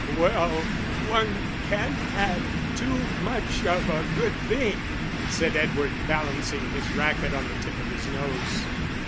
"Well, one can have too much of a good thing," said Edward, balancing his racket on the tip of his nose.